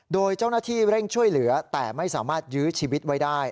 โดยเจ้าหน้าที่เร่งช่วยเหลือแต่ไม่สามารถยื้อชีวิตไว้ได้